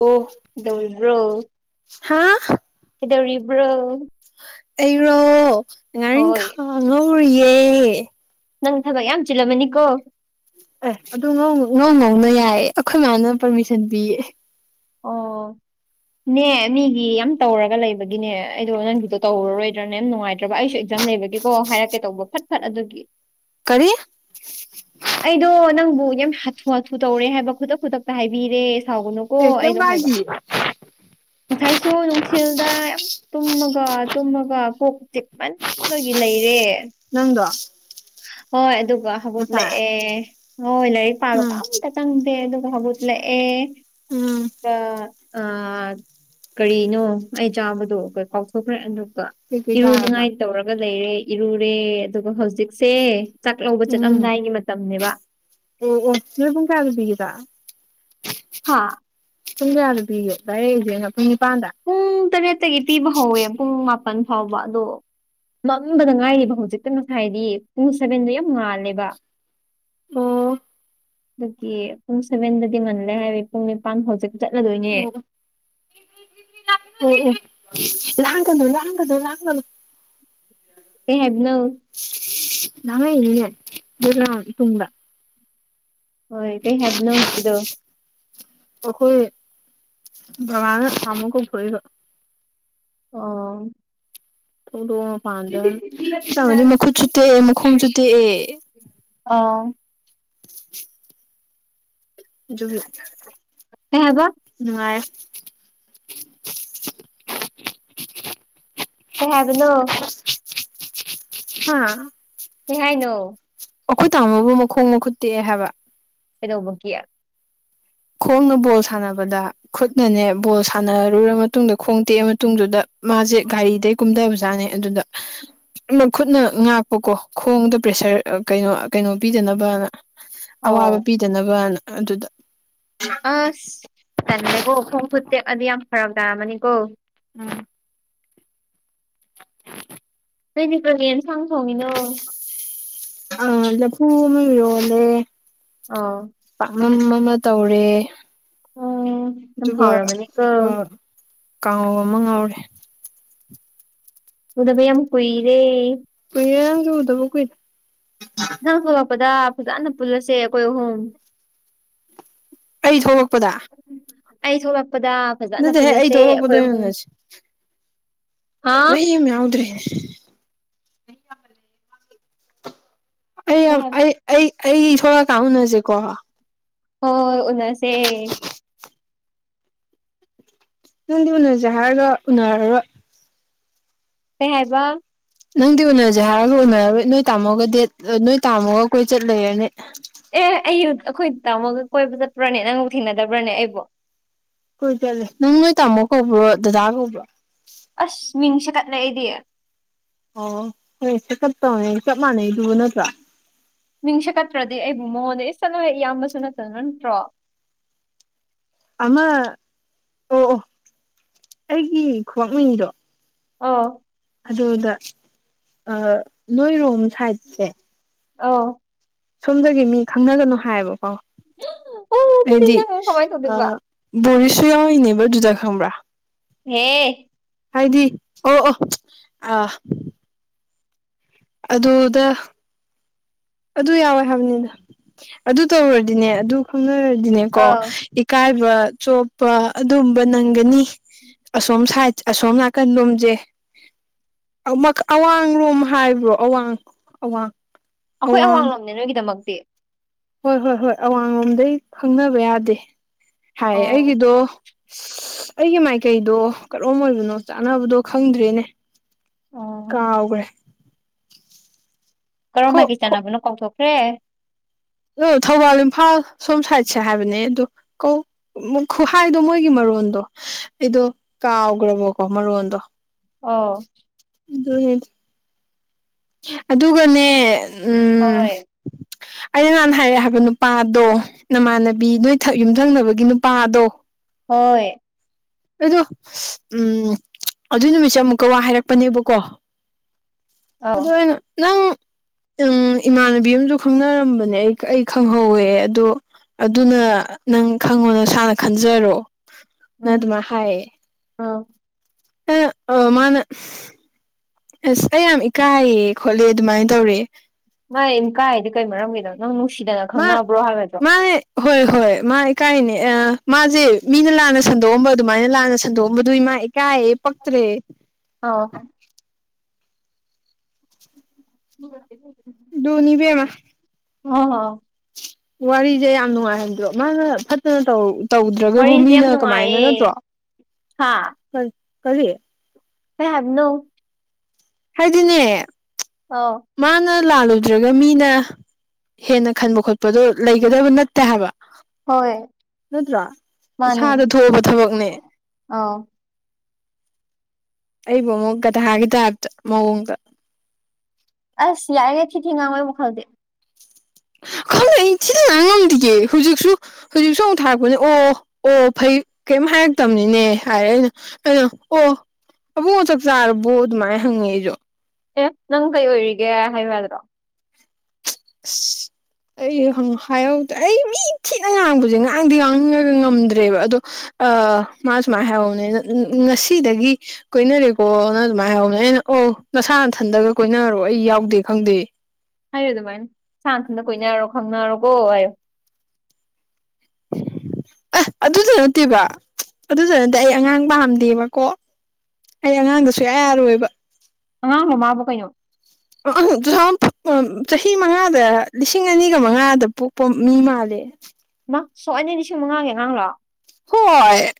ꯑꯣ ꯗꯧꯔꯤꯕ꯭ꯔꯣ ꯍꯥ ꯀꯩꯗꯧꯔꯤꯕ꯭ꯔꯣ ꯑꯩꯔꯣ ꯉꯥꯔꯤꯟ ꯍꯣꯏ ꯈꯥ ꯉꯧꯔꯤꯌꯦ ꯅꯪ ꯊꯕꯛ ꯌꯥꯝ ꯆꯤꯜꯂꯝꯃꯅꯤꯀꯣ ꯑꯦ ꯑꯗꯨ ꯉꯧ ꯉꯧ ꯉꯧꯅ ꯌꯥꯏꯌꯦ ꯑꯈꯣꯏ ꯃꯥꯅ ꯄꯥꯔꯃꯤꯁꯟ ꯄꯤꯌꯦ ꯑꯣ ꯅꯦ ꯃꯤꯒꯤ ꯌꯥꯝ ꯇꯧꯔꯒ ꯂꯩꯕꯒꯤꯅꯦ ꯑꯩꯗꯣ ꯅꯪꯒꯤꯗꯣ ꯇꯧꯔꯔꯣꯏꯗ꯭ꯔꯥꯅꯦ ꯌꯥꯝ ꯅꯨꯡꯉꯥꯏ ꯅꯠꯇ꯭ꯔꯕ ꯑꯩꯁꯨ ꯑꯦꯛꯖꯥꯝ ꯂꯩꯕꯒꯤꯀꯣ ꯍꯥꯏꯔꯛꯀꯦ ꯇꯧꯕ ꯐꯠ ꯐꯠ ꯑꯗꯨꯒꯤ ꯀꯔꯤ ꯑꯩꯗꯣ ꯅꯪꯕꯨ ꯌꯥꯝ ꯍꯥꯊꯨ ꯍꯥꯊꯨ ꯇꯧꯔꯦ ꯍꯥꯏꯕ ꯈꯨꯗꯛ ꯈꯨꯗꯛꯇ ꯍꯥꯏꯕꯤꯔꯦ ꯁꯥꯎꯒꯅꯨꯀꯣ ꯑꯦ ꯀꯩꯝ ꯑꯩꯩꯗꯣ ꯍꯥꯏꯕ ꯀꯥꯏꯗꯤꯌꯦ ꯉꯁꯥꯏꯁꯨ ꯅꯨꯡꯊꯤꯜꯗ ꯌꯥꯝ ꯇꯨꯝꯃꯒ ꯇꯨꯝꯃꯒ ꯀꯣꯛ ꯆꯤꯛꯃꯟꯕꯒꯤ ꯂꯩꯔꯦ ꯅꯪꯗꯣ ꯍꯣꯏ ꯑꯗꯨꯒ ꯉꯁꯥꯏ ꯍꯧꯒꯠꯂꯛꯑꯦ ꯍꯣꯏ ꯂꯥꯏꯔꯤꯛ ꯄꯥꯕ ꯎꯝ ꯄꯥ ꯑꯝ ꯇ ꯆꯪꯗꯦ ꯑꯗꯨꯒ ꯍꯧꯒꯠꯂꯛꯑꯦ ꯎꯝ ꯑꯗꯨꯒ ꯑꯥ ꯀꯔꯤꯅꯣ ꯑꯩ ꯆꯥꯕꯗꯣ ꯑꯩ ꯀꯥꯎꯊꯣꯛꯈ꯭ꯔꯦ ꯑꯗꯨꯒ ꯀꯩꯀꯩ ꯆꯥꯔꯕ ꯏꯔꯨꯅꯤꯡꯉꯥꯏ ꯇꯧꯔꯒ ꯂꯩꯔꯦ ꯏꯔꯨꯔꯦ ꯑꯗꯨꯒ ꯍꯧꯖꯤꯛ ꯁꯦ ꯆꯥꯛ ꯂꯧꯕ ꯎꯝ ꯆꯠꯂꯝꯗꯥꯏꯒꯤ ꯃꯇꯝꯅꯦꯕ ꯑꯣ ꯑꯣ ꯅꯣꯏ ꯄꯨꯡ ꯀꯥꯌꯗ ꯄꯤꯒꯦ ꯆꯥꯛ ꯍꯥ ꯄꯨꯡ ꯀꯌꯥꯗ ꯄꯤꯒꯦ ꯂꯗꯥꯔꯛꯏꯁꯦ ꯄꯨꯡ ꯅꯤꯄꯥꯟꯗ ꯄꯨꯡ ꯇꯔꯦꯠꯇꯒꯤ ꯄꯤꯕ ꯍꯧꯋꯦ ꯄꯨꯡ ꯃꯥꯄꯜ ꯐꯥꯎꯕ ꯑꯗꯣ ꯃꯝꯕꯗ ꯉꯥꯏꯔꯤꯕ ꯍꯧꯖꯤꯛꯇ ꯉꯁꯥꯏꯗꯤ ꯄꯨꯠ ꯁꯕꯦꯟꯗꯣ ꯌꯥꯝ ꯉꯥꯜꯂꯦꯕ ꯑꯣ ꯑꯗꯨꯒꯤ ꯄꯨꯡ ꯁꯚꯦꯟꯗꯗꯤ ꯉꯜꯂꯦ ꯍꯥꯏꯔ ꯄꯨꯡ ꯅꯤꯄꯥꯟ ꯍꯧꯖꯤꯛ ꯆꯠꯂꯗꯣꯏꯅꯦ ꯎꯝ ꯎꯝ ꯂꯥꯡꯒꯅꯣ ꯂꯥꯡꯒꯅꯣ ꯂꯥꯡꯒꯅꯣ ꯀꯩ ꯍꯥꯏꯕꯅꯣ ꯂꯥꯡꯉꯛꯏꯅꯤꯅꯦ ꯕꯦꯛꯒꯎꯟ ꯇꯨꯡꯗ ꯍꯣꯏ ꯀꯩ ꯍꯥꯏꯕꯅꯣ ꯍꯧꯖꯤꯛꯀꯤꯗꯣ ꯑꯩꯈꯣꯏ ꯕꯕꯥꯅ ꯇꯥꯃꯣ ꯀꯧꯊꯣꯔꯛꯏꯕ ꯑꯣ ꯊꯣꯛꯂꯛꯑꯣ ꯃꯄꯥꯟ ꯃꯗꯤ ꯃꯈꯨꯠꯁꯨ ꯇꯦꯛꯑꯦ ꯃꯈꯣꯡꯁꯨ ꯇꯦꯛꯑꯦ ꯑꯥ ꯑꯗꯨꯒꯤ ꯀꯩ ꯍꯏꯕ ꯅꯨꯡꯉꯥꯏꯌꯦ ꯀꯩ ꯍꯥꯏꯕꯅꯣ [unintelligible] ꯍꯥꯥ ꯀꯩ ꯍꯥꯏꯅꯣ ꯑꯩꯈꯣꯏ ꯇꯥꯝꯃꯣꯕꯨ ꯃꯈꯣꯡ ꯃꯈꯨꯠ ꯇꯦꯛꯑꯦ ꯍꯥꯏꯕ ꯀꯩꯗꯧꯕꯒꯤ ꯈꯣꯡꯅ ꯕꯣꯜ ꯁꯥꯟꯅꯕꯗ ꯈꯨꯠꯅꯅꯦ ꯕꯣꯜ ꯁꯥꯟꯅꯔꯨꯔ ꯃꯇꯨꯡꯗ ꯈꯣꯡ ꯇꯦꯛꯑ ꯃꯇꯨꯡꯗꯨꯗ ꯃꯥꯁꯦ ꯒꯥꯔꯤꯗꯩ ꯀꯨꯝꯊꯕꯖꯥꯠꯅꯦ ꯑꯗꯨꯗ ꯃ ꯈꯨꯠꯅ ꯉꯥꯛꯄꯀꯣ ꯈꯣꯡꯗ ꯄ꯭ꯔꯦꯁꯔ ꯀꯩꯅꯣ ꯀꯩꯅꯣ ꯄꯤꯗꯅꯕꯅ ꯑꯋꯥꯕ ꯑꯣ ꯄꯤꯗꯅꯕꯅ ꯑꯗꯨꯗ ꯑꯁ ꯇꯜꯂꯦꯀꯣ ꯈꯣꯡ ꯈꯨꯠ ꯇꯦꯛꯑꯗꯤ ꯌꯥꯝ ꯐꯔꯛ ꯇꯥꯔꯝꯃꯅꯤꯀꯣ ꯎꯝ ꯅꯣꯏꯗꯤ ꯀꯔꯤ ꯌꯦꯟꯁꯥꯡ ꯊꯣꯡꯉꯤꯅꯣ ꯑ ꯂꯨꯕ ꯑꯃ ꯏꯔꯣꯟꯂꯦ ꯑꯥ ꯄꯥꯛꯅꯝ ꯑꯃ ꯇꯧꯔꯦ ꯎꯝ ꯌꯥꯝ ꯑꯗꯨꯒ ꯍꯥꯎꯔꯝꯃꯅꯤꯀꯣ ꯀꯥꯡꯉꯧ ꯑꯃ ꯉꯧꯔꯦ ꯎꯗꯕ ꯌꯥꯝ ꯀꯨꯏꯔꯦ ꯀꯨꯏꯔꯦ ꯅꯪꯖꯨ ꯎꯗꯕ ꯀꯨꯏ ꯃꯊꯪ ꯊꯣꯛꯂꯛꯄꯗ ꯐꯖꯅ ꯄꯨꯟꯂꯁꯦ ꯑꯈꯣꯏ ꯑꯍꯨꯝ ꯑꯩ ꯊꯣꯛꯂꯛꯄꯗ ꯑꯩ ꯊꯣꯛꯂꯛꯄꯗ ꯐꯖꯅ ꯅꯠꯇꯦꯍꯦ ꯑꯩ ꯄꯨꯜꯂꯁꯦ ꯊꯣꯛꯂꯛꯄꯗ ꯑꯩꯈꯣꯏ ꯑꯣꯏꯅ ꯑꯍꯨꯝ ꯎꯅꯁꯦ ꯍꯥ ꯀꯩꯝ ꯌꯥꯎꯗ꯭ꯔꯦꯅꯦ ꯑꯩ ꯀꯩ ꯌꯥꯝ ꯍꯥꯏꯕ ꯑꯩ ꯑꯩ ꯑꯩ ꯊꯣꯛꯂꯀ ꯎꯅꯁꯤꯀꯣ ꯍꯣꯏ ꯎꯅꯁꯦ ꯅꯪꯗꯤ ꯎꯅꯁꯦ ꯍꯥꯏꯔꯒ ꯎꯅꯔꯔꯣꯏ ꯀꯩ ꯍꯥꯏꯕ ꯅꯪꯗꯤ ꯎꯅꯔꯁꯦ ꯍꯥꯏꯔꯒ ꯎꯅꯔꯔꯣꯏ ꯅꯣꯏ ꯇꯥꯃꯣꯒ ꯗꯦꯠ ꯑ ꯅꯣꯏ ꯇꯥꯝꯃꯣꯒ ꯀꯣꯏ ꯆꯠ ꯂꯩꯔꯅꯤ ꯑꯦ ꯑꯩ ꯑꯩꯈꯣꯏ ꯇꯝꯃꯒ ꯀꯣꯏꯕ ꯆꯠꯄ꯭ꯔꯅꯦ ꯅꯪꯕꯨ ꯊꯦꯡꯅꯗꯕ꯭ꯔꯅꯦ ꯑꯩꯕꯨ ꯀꯣꯏ ꯆꯠꯂꯦ ꯅꯪ ꯅꯣꯏ ꯇꯥꯃꯣ ꯀꯧꯕ꯭ꯔꯣ ꯗꯗꯥ ꯀꯧꯕ꯭ꯔꯣ ꯑꯁ ꯃꯤꯡ ꯁꯦꯀꯠꯂꯦ ꯑꯩꯗꯤ ꯑꯣ ꯍꯣꯏ ꯁꯦꯠꯀꯠ ꯇꯧꯅꯤ ꯆꯞ ꯃꯥꯟꯅꯩꯗꯨꯕꯨ ꯅꯠꯇ꯭ꯔꯥ ꯃꯤꯁꯀꯠꯇ꯭ꯔꯗꯤ ꯑꯩꯕꯨ ꯃꯉꯣꯟꯗ ꯏꯁ ꯆꯠꯂꯨ ꯍꯦ ꯏꯌꯥꯝꯕꯁꯨ ꯅꯠꯇꯅ ꯅꯠꯇ꯭ꯔꯣ ꯑꯃ ꯑꯣ ꯑꯣ ꯑꯩꯒꯤ ꯈꯨꯋꯥꯛꯃꯤꯗꯣ ꯑꯣ ꯑꯗꯨꯗ ꯑꯥ ꯅꯣꯏꯔꯣꯝ ꯁꯥꯏꯠꯁꯦ ꯑꯧ ꯁꯣꯝꯗꯒꯤ ꯃꯤ ꯈꯪꯅꯒꯅꯨ ꯍꯥꯏꯌꯦꯕꯀꯣ ꯑꯣ ꯑꯗꯨꯗꯤ ꯑꯩꯗꯤ ꯅꯪ ꯀꯃꯥꯏ ꯑ ꯇꯧꯗꯣꯏꯕ ꯕꯣꯔꯤꯁ ꯁꯨ ꯌꯥꯎꯔꯤꯅꯦꯕ ꯑꯗꯨꯗ ꯈꯪꯕ꯭ꯔꯥ ꯍꯦ ꯍꯥꯏꯗꯤ ꯑꯣ ꯑꯣ ꯑ ꯑꯗꯨꯗ ꯑꯗꯨ ꯌꯥꯎꯋꯦ ꯍꯥꯏꯕꯅꯤꯅꯗ ꯑꯗꯨ ꯇꯧꯔꯨꯔꯗꯤꯅꯦ ꯑꯗꯨ ꯈꯪꯅꯔꯗꯤꯅꯦꯀꯣ ꯑꯧ ꯏꯀꯥꯏꯕ ꯆꯣꯞꯄ ꯑꯗꯨꯝꯕ ꯅꯪꯒꯅꯤ ꯑꯁꯣꯝ ꯁꯥꯏꯠ ꯑꯁꯣꯝ ꯅꯥꯀꯟ ꯔꯣꯝꯁꯦ ꯑꯝꯃ ꯑꯋꯥꯡꯡꯂꯣꯝ ꯍꯥꯏꯕ꯭ꯔꯣ ꯑꯋꯥꯡ ꯑꯋꯥꯡ ꯑꯩꯈꯣꯏ ꯑꯋꯥꯡ ꯑꯋꯥꯡꯡꯂꯣꯝꯅꯦ ꯅꯣꯏꯒꯤꯗꯃꯛꯇꯤ ꯍꯣꯏ ꯍꯣꯏ ꯍꯣꯏ ꯑꯋꯥ ꯂꯣꯝꯗꯩ ꯈꯪꯅꯕ ꯌꯥꯗꯦ ꯍꯥꯏ ꯑꯣ ꯑꯩꯒꯤꯗꯣ ꯑꯩꯒꯤ ꯃꯥꯏꯀꯩꯗꯣ ꯀꯔꯣꯝ ꯑꯣꯏꯕꯅꯣ ꯆꯥꯅꯕꯗꯣ ꯈꯪꯗ꯭ꯔꯦꯅꯦ ꯑꯣ ꯀꯥꯎꯒ꯭ꯔꯦ ꯀꯔꯣꯝ ꯈꯣ ꯃꯥꯏꯀꯩ ꯆꯥꯟꯅꯕꯅꯣ ꯀꯥꯎꯊꯣꯛꯈ꯭ꯔꯦ ꯑꯣ ꯊꯧꯕꯥꯜ ꯏꯝꯐꯥꯜ ꯁꯣꯝ ꯁꯥꯏꯠꯁꯦ ꯍꯥꯏꯕꯅꯦ ꯑꯗꯣ ꯀꯧ ꯈꯨꯍꯥꯏꯗꯣ ꯃꯣꯏꯒꯤ ꯃꯔꯣꯟꯗꯣ ꯑꯩꯗꯣ ꯀꯥꯎꯈ꯭ꯔꯕꯣꯀꯣ ꯃꯔꯣꯟꯗꯣ ꯑꯣ ꯑꯗꯨꯅꯤ ꯑꯗꯨꯒꯅꯦ ꯎꯝ ꯍꯣꯏ ꯑꯩꯅ ꯅꯍꯥꯟ ꯍꯥꯏꯔꯛꯑꯦ ꯍꯥꯏꯕ ꯅꯨꯄꯥꯗꯣ ꯅꯃꯥꯟꯅꯕꯤ ꯅꯣꯏ ꯌꯨꯝꯊꯪꯅꯕꯒꯤ ꯅꯨꯄꯥꯗꯣ ꯍꯣꯏ ꯑꯗꯣ ꯎꯝ ꯑꯗꯨꯏ ꯅꯨꯃꯤꯠꯁꯦ ꯑꯃꯨꯛꯀ ꯋꯥ ꯍꯥꯏꯔꯛꯄꯅꯦꯕꯀꯣ ꯑꯧ ꯑꯗꯣ ꯑꯩꯅ ꯅꯪ ꯎꯝ ꯏꯃꯥꯟꯅꯕꯤ ꯑꯃꯥꯁꯨ ꯈꯪꯅꯔꯝꯕꯅꯦ ꯑꯩ ꯑꯩ ꯈꯪꯍꯧꯋꯦ ꯑꯗꯣ ꯑꯗꯨꯅ ꯅꯪ ꯈꯪꯉꯣ ꯅꯁꯥꯟꯅ ꯈꯟꯖꯔꯣꯅ ꯑꯗꯨꯃꯥꯏꯅ ꯍꯥꯏꯌꯦ ꯑꯝ ꯑ ꯃꯥꯅ ꯑꯁ ꯑꯩ ꯌꯥꯝ ꯏꯀꯥꯏꯌꯦ ꯈꯣꯠꯂꯦ ꯑꯗꯨꯃꯥꯏꯅ ꯇꯧꯔꯦ ꯃꯥꯅ ꯏꯀꯥꯏ ꯍꯥꯢꯗꯤ ꯀꯩ ꯃꯔꯝꯒꯤꯗꯅꯣ ꯅꯪ ꯅꯨꯡꯁꯤꯗꯅ ꯃꯥ ꯈꯪꯅꯕ꯭ꯔꯣ ꯍꯥꯏꯒꯗ꯭ꯔꯣ ꯃꯟꯅꯦ ꯍꯣꯏ ꯍꯣꯏ ꯃꯥ ꯏꯀꯥꯏꯅꯦ ꯑ ꯃꯥꯁꯦ ꯃꯤꯅ ꯂꯥꯟꯅ ꯁꯟꯗꯣꯛꯑꯝꯕ ꯑꯗꯨꯃꯥꯏꯅ ꯂꯥꯟꯅ ꯁꯟꯗꯣꯛꯑꯝꯕꯗꯨꯏ ꯃꯥ ꯏꯀꯥꯏꯌꯦ ꯄꯛꯇ꯭ꯔꯦ ꯑꯣ [inaudible] ꯑꯗꯨꯅꯤ ꯏꯕꯦꯝꯃ ꯑꯣ [unintelligible] ꯋꯥꯔꯤꯁꯦ ꯌꯥꯝ ꯅꯨꯡꯉꯥꯏ ꯍꯥꯏꯗ꯭ꯔꯣ ꯃꯥꯅ ꯐꯠꯇꯅ ꯇꯧꯔ ꯇꯧꯗ꯭ꯔꯒꯕꯨ ꯋꯥꯔꯤꯁꯦ ꯌꯥꯝ ꯃꯤꯅ ꯀꯃꯥꯏꯅ ꯅꯨꯡꯉꯥꯏꯌꯦ ꯅꯠꯇ꯭ꯔꯣ ꯍꯥ ꯀꯔꯤ ꯍꯦꯕꯅꯣ ꯍꯥꯏꯗꯤꯅꯦ ꯑꯧ ꯃꯥꯅ ꯂꯥꯜꯂꯨꯗ꯭ꯔꯒ ꯃꯤꯅ ꯍꯦꯟꯅ ꯈꯟꯕ ꯈꯣꯠꯄꯗꯣ ꯂꯩꯒꯗꯕ ꯅꯠꯇꯦ ꯍꯥꯏꯕ ꯍꯣꯏ ꯅꯠꯇ꯭ꯔꯥ ꯏꯁꯥꯗ ꯊꯣꯛꯑꯕ ꯊꯕꯛꯅꯦ ꯑꯥꯎ ꯑꯩꯕꯨ ꯑꯃꯨꯛꯒꯗ ꯍꯥꯏꯒꯤ ꯇꯞꯇ ꯃꯑꯣꯡꯗ ꯑꯁ ꯌꯥꯏꯔꯤꯉꯩ ꯊꯤ ꯊꯤ ꯉꯥꯡꯉꯣꯏꯕ ꯈꯪꯗꯦ ꯈꯪꯅ ꯑꯩ ꯊꯤꯗꯅ ꯉꯝꯗꯒꯦ ꯍꯧꯖꯤꯛꯁꯨ ꯍꯧꯖꯤꯛꯁꯨ ꯑꯃꯨꯛ ꯊꯥꯔꯛꯄꯅꯦ ꯑꯣ ꯑꯣ ꯐꯩ ꯀꯔꯤꯝ ꯍꯥꯏꯔꯛꯇꯕꯅꯤꯅꯦ ꯍꯥꯏꯔꯦ ꯑꯩꯅ ꯀꯩꯅꯣ ꯑꯣ ꯑꯕꯨꯉꯣ ꯆꯥꯛ ꯆꯥꯔꯕꯣ ꯑꯗꯨꯃꯥꯏꯅ ꯍꯪꯉꯦ ꯑꯩꯁꯨ ꯑꯦ ꯅꯪ ꯀꯩ ꯑꯣꯏꯔꯤꯒꯦ ꯍꯥꯏꯕ ꯌꯥꯗ꯭ꯔꯣ [inaudible] ꯑꯩ ꯍꯥꯏꯍꯧꯗ꯭ꯔꯦ ꯑꯩ ꯃꯤ ꯊꯤꯠꯅ ꯉꯥꯡꯕꯁꯦ ꯉꯥꯡꯗꯤ ꯉꯥꯡꯉꯒ ꯉꯝꯗ꯭ꯔꯦꯕ ꯑꯗꯣ ꯑ ꯃꯥꯁꯨ ꯃꯥ ꯍꯥꯏꯍꯧꯕꯅꯦ ꯉꯁꯤꯗꯒꯤ ꯀꯣꯏꯅꯔꯦꯀꯣꯅ ꯑꯗꯨꯃꯥꯏꯅ ꯍꯥꯏꯍꯧꯅꯦ ꯑꯩꯅ ꯑꯣ ꯅꯁꯥꯅꯊꯟꯗꯒ ꯀꯣꯏꯅꯔꯣ ꯑꯩ ꯌꯥꯎꯗꯦ ꯈꯪꯗꯦ ꯍꯥꯏꯌꯨ ꯑꯗꯨꯃꯥꯏꯅ ꯁꯥ ꯊꯟꯗ ꯀꯨꯏꯅꯔꯣ ꯈꯪꯅꯔꯣꯀꯣ ꯍꯥꯏꯌꯨ ꯑ ꯑꯗꯨꯗ ꯅꯠꯇꯦꯕ ꯑꯗꯨꯗ ꯅꯠꯇꯦ ꯑꯩ ꯑꯉꯥꯡ ꯄꯥꯝꯗꯦꯕꯀꯣ ꯑꯩ ꯑꯉꯥꯡꯗ ꯁꯨꯛꯌꯥ ꯌꯥꯔꯣꯏꯕ ꯑꯉꯥꯡꯂ ꯃꯃꯥꯕꯨ ꯀꯩꯅꯣ [inaudible] ꯇꯨ ꯊꯥꯎꯖꯟ ꯆꯍꯤ ꯃꯉꯥꯗ ꯂꯤꯁꯤꯡ ꯑꯅꯤꯒ ꯃꯉꯥꯗ ꯄꯣꯛꯄ ꯃꯤ ꯃꯥꯜꯂꯦ ꯃꯥ ꯁꯣꯛ ꯑꯅ ꯂꯤꯁꯤꯡ ꯃꯉꯥꯒꯤ ꯑꯉꯥꯡꯂꯣ ꯍꯣꯏ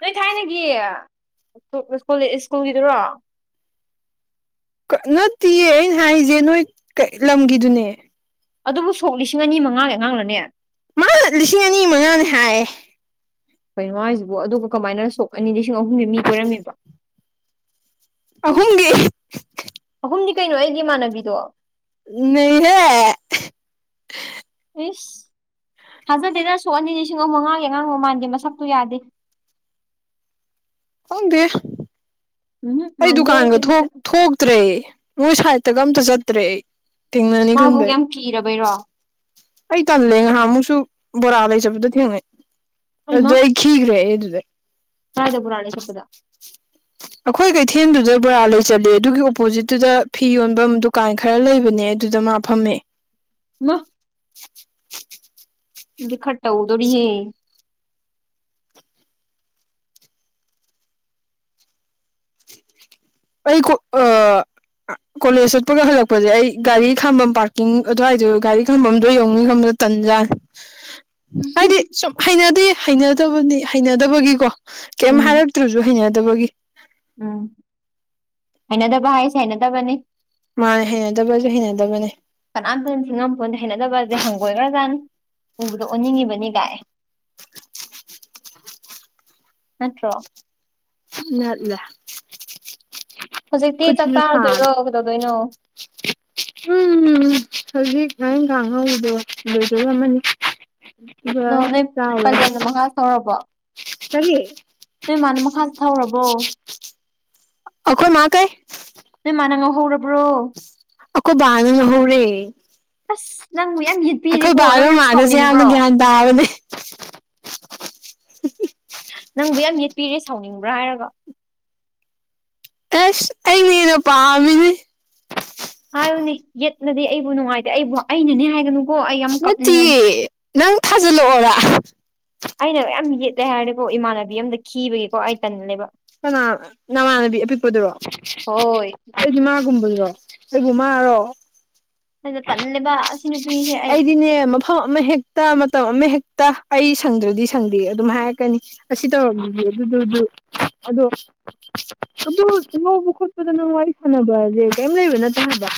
ꯅꯣꯏ ꯊꯥꯏꯅꯒꯤꯣ ꯁ꯭ꯀꯨꯜꯒꯤꯗꯨꯔꯣ ꯅꯠꯇꯤꯌꯦ ꯑꯩꯅ ꯍꯥꯏꯁꯦ ꯅꯣꯏ ꯂꯝꯒꯤꯗꯨꯅꯦ ꯑꯗꯨꯕꯨ ꯁꯣꯛ ꯂꯤꯁꯤꯡ ꯑꯅꯤ ꯃꯉꯥꯒꯤ ꯑꯉꯥꯡꯂꯅꯦ ꯃꯥ ꯂꯤꯁꯤꯡ ꯑꯅꯤ ꯃꯉꯥꯅꯤ ꯍꯥꯏꯌꯦ ꯀꯩꯅꯣ ꯍꯣꯏꯁꯤꯕꯨ ꯑꯗꯨꯒ ꯀꯃꯥꯏꯅ ꯁꯣꯛ ꯑꯅꯤ ꯂꯤꯁꯤꯡ ꯑꯍꯨꯝꯒꯤ ꯃꯤ ꯀꯣꯏꯔꯝꯃꯤꯕ ꯑꯍꯨꯝꯒꯤ ꯑꯍꯨꯝꯗꯤ ꯀꯩꯅꯣ ꯑꯩꯒꯤ ꯏꯃꯥꯟꯅꯕꯤꯗꯣ ꯅꯩꯍꯦ ꯑꯦꯁ ꯊꯥꯖꯗꯦꯅ ꯁꯣꯛ ꯑꯅꯤ ꯂꯤꯁꯤꯡ ꯑ ꯃꯉꯥꯒꯤ ꯑꯉꯥꯡ ꯃꯃꯥꯟꯗꯦ ꯃꯁꯛꯇꯨ ꯌꯥꯗꯦ ꯈꯪꯗꯦ ꯎꯝꯍꯨꯝ ꯑꯩ ꯃꯥꯟꯗꯦ ꯗꯨꯀꯥꯟꯒ ꯊꯣꯛꯇ꯭ꯔꯦ ꯅꯣꯏ ꯁꯥꯏꯗꯠꯇꯒ ꯑꯝꯇ ꯆꯠꯇ꯭ꯔꯦ ꯑꯩ ꯊꯦꯡꯅꯅꯤ ꯃꯥꯕꯨ ꯈꯟꯕꯩ ꯌꯥꯝ ꯀꯤꯔꯕꯩꯔꯣ ꯑꯩ ꯇꯜꯂꯦ ꯉꯥꯏꯍꯥꯛꯃꯨꯛꯁꯨ ꯕꯣꯔꯥ ꯂꯩ ꯆꯠꯕꯗ ꯊꯦꯡꯅꯩ ꯍꯩꯃꯥ ꯑꯗꯨꯗ ꯈꯤꯒ꯭ꯔꯦ ꯑꯩ ꯑꯗꯨꯗꯩ ꯀꯔꯥꯏꯗ ꯕꯣꯔꯥ ꯂꯩ ꯆꯠꯄꯗ ꯑꯩꯈꯣꯏ ꯀꯩꯊꯦꯜꯗꯨꯗ ꯕꯣꯔꯥ ꯂꯩ ꯆꯠꯂꯦ ꯑꯗꯨꯒꯤ ꯑꯣꯄꯣꯖꯤꯠꯇꯨꯗ ꯐꯤ ꯌꯣꯟꯐꯝ ꯗꯨꯀꯥꯟ ꯈꯔ ꯂꯩꯕꯅꯦ ꯑꯗꯨꯗ ꯃꯥ ꯐꯝꯃꯦ ꯅ ꯗꯤ ꯈ ꯇꯧꯗꯣꯔꯤꯍꯦ ꯑꯩ [unintelligible] ꯀꯣꯂꯦꯖ ꯆꯠꯄꯒ ꯍꯜꯂꯛꯄꯁꯦ ꯑꯩ ꯒꯥꯔꯤ ꯈꯥꯝꯕꯝ ꯄꯥꯔꯀꯤꯡ ꯑꯗꯨꯋꯥꯏꯗꯣ ꯒꯥꯔꯤ ꯈꯥꯝꯕꯝꯗꯣ ꯌꯧꯅꯤ ꯈꯟꯕꯗ ꯇꯟꯖꯥꯅꯤ [inaudible] ꯍꯥꯏꯗꯤ ꯁꯨꯝ ꯍꯩꯅꯗꯦ ꯍꯩꯅꯗꯕꯅꯤ ꯍꯩꯅꯗꯕꯒꯤꯀꯣ ꯀꯩꯝ ꯎꯝ ꯍꯥꯏꯔꯛ ꯇꯔꯖꯨ ꯍꯩꯅꯗꯕꯒꯤ ꯎꯝ ꯍꯩꯅꯗꯕ ꯍꯥꯏꯁꯦ ꯍꯩꯅꯗꯕꯅꯤ ꯃꯥꯅꯦ ꯍꯩꯅꯗꯕꯖꯦ ꯍꯩꯅꯗꯕꯅꯦ ꯀꯅꯥꯝꯇꯅ ꯊꯤꯡꯉꯝꯄꯣꯟꯗꯦ ꯍꯩꯅꯗꯕꯖꯦ ꯍꯪꯒꯣꯏꯒ꯭ꯔꯥꯖꯥꯠꯅꯤ ꯎꯕꯗ ꯑꯣꯟꯅꯤꯡꯉꯤꯕꯅꯤ ꯒꯥꯏ [inaudible] ꯅꯠꯇ꯭ꯔꯣ ꯅꯠꯂꯦ ꯍꯧꯖꯤꯛꯇꯤ ꯆꯥꯛ ꯆꯥꯔꯗꯣꯏꯔꯣ ꯀꯩꯗꯧꯗꯣꯏꯅꯣ ꯍꯨꯝ ꯍꯧꯖꯤꯛ ꯉꯥꯔꯤꯡꯈꯥ ꯉꯧꯕꯗꯣ ꯂꯣꯏꯗꯣꯔꯝꯃꯅꯤ ꯗꯨꯒ ꯅꯣ ꯅꯣꯏ ꯆꯥꯎꯔꯅꯤ ꯄꯂꯦꯟꯗꯣ ꯃꯈꯥ ꯊꯧꯔꯕꯣ ꯀꯔꯤ ꯅꯣꯏ ꯃꯥꯅ ꯃꯈꯥꯥꯁꯦ ꯊꯧꯔꯕꯣ ꯑꯩꯈꯣꯏ ꯃꯥ ꯀꯩ ꯅꯣꯏ ꯃꯥꯅ ꯉꯧꯍꯧꯔꯕ꯭ꯔꯣ ꯑꯈꯣ ꯕꯥꯅ ꯉꯍꯧꯔꯦ ꯑꯁ ꯅꯪꯕꯨ ꯌꯥꯝ ꯌꯦꯠꯄꯤꯔꯦꯀꯣ ꯅꯪ ꯌꯥꯝ ꯁꯥꯎꯅꯤꯡꯕ꯭ꯔꯣ ꯇꯥꯔꯅꯦ ꯅꯪꯕꯨ ꯌꯥꯝ ꯌꯦꯠꯄꯤꯔꯦ ꯁꯥꯎꯅꯤꯡꯕ꯭ꯔꯥ ꯍꯥꯏꯔꯒ ꯑꯦꯁ ꯑꯩꯅꯦ ꯍꯦꯟꯅ ꯄꯥꯝꯃꯤꯅꯤ ꯍꯥꯏꯌꯨꯅꯦ ꯌꯦꯠꯅꯗꯤ ꯑꯩꯕꯨ ꯅꯨꯡꯉꯥꯏꯇꯦ ꯑꯩꯕꯨ ꯑꯩꯅꯅꯦ ꯍꯥꯏꯒꯅꯨ ꯅꯠꯇꯤꯌꯦ ꯅꯪ ꯊꯥꯖꯜꯂꯛꯑꯣꯔ ꯑꯩꯅ ꯃꯌꯥꯝ ꯌꯦꯠꯂꯦ ꯍꯥꯏꯔꯗꯤꯀꯣ ꯏꯃꯥꯟꯅꯕꯤ ꯑꯝꯗ ꯀꯤꯕꯩꯀꯣ ꯀꯅꯥ ꯅꯃꯥꯟꯅꯕꯤ ꯑꯄꯤꯛꯄꯗꯨꯔꯣ ꯍꯣꯏ ꯑꯩꯗꯤ ꯃꯥꯒꯨꯝꯕꯗꯨꯔꯣ ꯑꯩꯕꯨ ꯃꯥꯔꯣ ꯑꯩꯗꯣ ꯇꯜꯂꯤꯕ ꯑꯁꯤ ꯅꯨꯄꯤꯁꯦ ꯑꯩ ꯑꯩꯗꯤꯅꯦ ꯃꯐꯝ ꯑꯃ ꯍꯦꯛꯇ ꯃꯇꯝ ꯑꯃ ꯍꯦꯛꯇ ꯑꯩ ꯁꯪꯗ꯭ꯔꯗꯤ ꯁꯪꯗꯦ ꯑꯗꯨꯝ ꯍꯥꯏꯔꯛꯀꯅꯤ ꯑꯁꯤ ꯇꯧꯔꯝꯃꯤꯒꯤ ꯑꯗꯨꯗꯨꯗꯨ ꯑꯗꯣ ꯑꯗꯨ ꯆꯤꯍꯧꯕ ꯈꯣꯠꯄꯗ ꯅꯪ ꯋꯥꯔꯤ ꯁꯥꯟꯅꯕꯖꯦ ꯀꯩꯝ ꯂꯩꯕ ꯅꯠꯇꯦ ꯍꯥꯏꯕ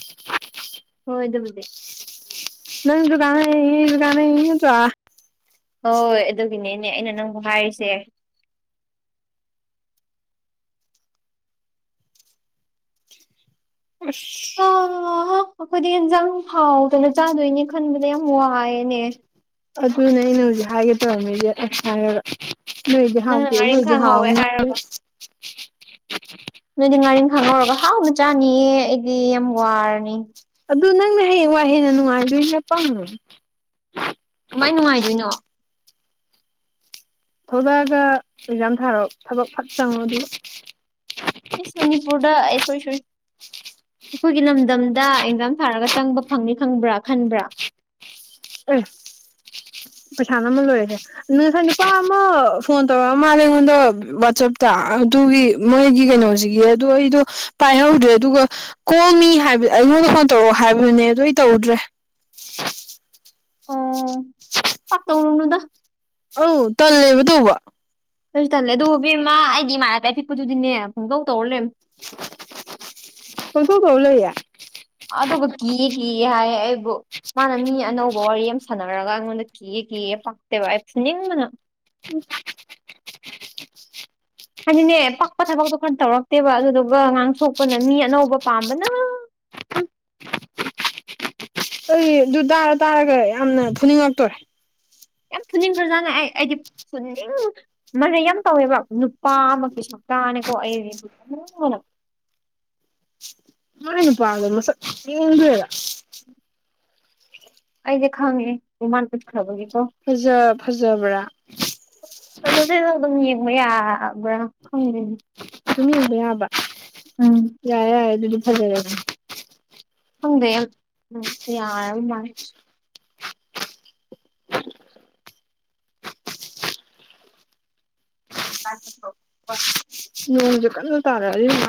ꯍꯣꯏ ꯠ ꯑꯗꯨꯕꯨꯗꯤ ꯅꯪꯖꯖ ꯀꯥꯟꯅꯩ ꯔꯤ ꯖꯨ ꯀꯥꯟꯅꯩ ꯅꯠꯇꯔꯥ ꯍꯣꯏ ꯑꯗꯨꯒꯤꯅꯦꯅꯦ ꯑꯩꯅ ꯅꯪꯕꯨ ꯍꯥꯏꯔꯤꯁꯦ ꯑꯁ ꯑꯩꯈꯣꯏꯗꯤ ꯌꯦꯟꯖꯥꯡ ꯐꯥꯎꯗꯅ ꯆꯥꯗꯣꯏꯅꯦ ꯈꯟꯕꯗ ꯌꯥꯝ ꯋꯥꯏꯑꯦꯅꯦ ꯑꯗꯨꯅꯦ ꯑꯩꯅ ꯍꯧꯖꯤꯛ ꯍꯥꯏꯒꯦ ꯇꯧꯔꯝꯃꯤꯒꯦ ꯑꯁ ꯍꯥꯏꯔꯒ ꯅꯣꯏꯗꯤ ꯅꯪꯅ ꯍꯥꯎꯇꯦ ꯉꯥꯔꯤꯡꯈꯥ ꯑꯈꯣꯏꯗꯤ ꯉꯧꯋꯦ ꯍꯥꯎꯅ ꯍꯥꯏꯔꯒ ꯅꯣꯏꯗꯤ ꯉꯥꯔꯤꯡꯈꯥ ꯉꯧꯔꯒ ꯍꯥꯎꯅ ꯆꯥꯅꯤꯌꯦ ꯑꯩꯗꯤ ꯌꯥꯝ ꯋꯥꯔꯅꯤ ꯑꯗꯨ ꯅꯪꯅ ꯍꯌꯦꯡꯋꯥꯏ ꯍꯦꯟꯅ ꯅꯨꯡꯉꯥꯏꯗꯣꯏꯅꯦ ꯑꯄꯪ ꯀꯃꯥꯏ ꯅꯨꯡꯉꯥꯏꯗꯣꯏꯅꯣ ꯊꯣꯛꯂꯛꯑꯒ ꯑꯦꯛꯖꯥꯝ ꯊꯥꯔꯣ ꯊꯕꯛ ꯐꯛ ꯆꯪꯉꯣ ꯑꯗꯨꯒ ꯏꯁ ꯃꯅꯤꯄꯨꯔꯗ ꯑꯩ ꯁꯣꯔꯤ ꯁꯣꯔꯤ ꯑꯩꯈꯣꯏꯒꯤ ꯂꯝꯗꯝꯗ ꯑꯦꯛꯖꯥꯝ ꯊꯥꯔꯒ ꯆꯪꯕ ꯐꯪꯅꯤ ꯈꯪꯕ꯭ꯔꯥ ꯈꯟꯕ꯭ꯔꯥ ꯑꯦ ꯄꯩꯁꯥ ꯅꯝꯃ ꯂꯣꯏꯔꯦꯍꯦ ꯉꯁꯥꯏ ꯅꯨꯄꯥ ꯑꯃ ꯐꯣꯟ ꯇꯧꯔ ꯃꯥꯜꯂꯦ ꯑꯩꯉꯣꯟꯗ ꯋꯥꯆꯞꯇ ꯑꯗꯨꯒꯤ ꯃꯣꯏꯒꯤ ꯀꯩꯅꯣꯖꯤꯒꯤ ꯑꯗꯣ ꯑꯩꯗꯣ ꯄꯥꯏꯍꯧꯗ꯭ꯔꯦ ꯑꯗꯨꯒ ꯀꯣꯜ ꯃꯤ ꯍꯥꯏꯕ ꯑꯩꯉꯣꯟꯗ ꯐꯣꯟ ꯇꯧꯔꯛꯑꯣ ꯍꯥꯏꯕꯗꯨꯅꯦ ꯑꯗꯨ ꯑꯩ ꯇꯧꯗ꯭ꯔꯦ ꯑꯣ ꯍ ꯄꯥꯛ ꯇꯧꯔꯨꯅꯨꯗ ꯑꯧ ꯇꯜꯂꯦꯕ ꯇꯧꯕ꯫ ꯑꯩꯁꯨ ꯇꯜꯂꯦ ꯑꯗꯨ ꯍꯕꯦꯝꯃ ꯑꯩꯗꯤ ꯏꯃꯥꯅꯕꯤ ꯑꯄꯤꯛꯄꯤꯗꯨꯗꯤꯅꯦ ꯄꯨꯡꯇꯧ ꯇꯧꯔ ꯂꯩꯔꯝꯃꯤ꯫ ꯀꯣꯏ ꯀꯧ ꯀꯧꯔ ꯂꯩꯌꯦ꯫ ꯑꯗꯧꯒ ꯀꯤꯌꯦ ꯀꯤꯌꯦ ꯍꯥꯏꯌꯦ ꯑꯩꯕꯨ꯫ ꯃꯥꯅ ꯃꯤ ꯑꯅꯧꯕ ꯋꯥꯔꯤ ꯌꯥꯝ ꯁꯥꯟꯅꯔꯒ ꯑꯩꯉꯣꯟꯗ ꯀꯤꯌꯦ ꯀꯤꯌꯦ ꯄꯥꯛꯇꯦꯕ ꯑꯩ ꯐꯨꯅꯤꯡꯕꯅ꯫ [unintelligible] ꯍꯥꯏꯗꯤꯅꯦ ꯄꯛꯄ ꯊꯕꯛꯇꯣ ꯈꯔ ꯇꯧꯔꯛꯇꯦꯕ ꯑꯗꯨꯗꯨꯒ ꯉꯥꯡꯊꯣꯛꯄꯅ ꯃꯤ ꯑꯅꯧꯕ ꯄꯥꯝꯕꯅ꯫ ꯑꯩ ꯑꯗꯨ ꯇꯥꯔ ꯇꯥꯔꯒ ꯌꯥꯝꯅ ꯐꯨꯅꯤꯡꯉꯛꯇꯣꯔꯦ꯫ ꯌꯥꯝ ꯐꯨꯅꯤꯡꯈ꯭ꯔꯖꯥꯠꯅꯦ ꯑꯩ ꯑꯩꯗꯤ ꯐꯨꯅꯤꯡ ꯃꯔꯩ ꯌꯥꯝ ꯇꯧꯋꯦꯕ ꯅꯨꯄꯥꯃꯛꯀꯤ ꯁꯛꯇꯥꯅꯦꯀꯣ ꯑꯩ ꯐꯨꯅꯤꯡꯕꯅ꯫ ꯃꯥꯏ ꯅꯨꯄꯥꯗꯣ ꯃꯁꯛ ꯌꯦꯡꯅꯤꯡꯒꯔꯦꯗ꯫ ꯑꯩꯗꯤ ꯈꯪꯉꯦ ꯃꯥꯅ ꯑꯨꯠꯈ꯭ꯔꯕꯒꯤꯀꯣ꯫ ꯐꯖ ꯐꯖꯕ꯭ꯔꯥ꯫ ꯐꯖꯗꯦꯗ ꯑꯗꯨꯝ ꯌꯦꯡꯕ ꯌꯥꯕ꯭ꯔꯥ ꯈꯪꯗꯦꯅꯦ꯫ ꯑꯗꯨꯝ ꯌꯦꯡꯕ ꯌꯥꯕ꯫ ꯎꯝ꯫ ꯌꯥꯔꯦ ꯌꯥꯔꯦ ꯑꯗꯨꯗꯤ ꯐꯖꯔꯗꯤ꯫ ꯍꯪꯗꯦ ꯑꯩ ꯑꯝ ꯌꯥꯔꯕꯃꯥꯜꯂꯦ꯫ [unintelligible] ꯅꯣꯡꯖꯨ ꯀꯟꯅ ꯇꯥꯔꯛꯑꯗꯤ ꯅꯨꯡꯉꯤꯏ